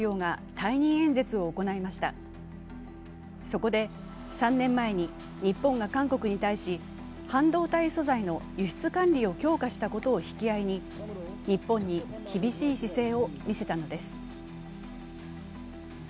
そこで、３年前に日本が韓国に対し半導体素材の輸出管理を強化したことを引き合いに日本に厳しい姿勢を見せたのです。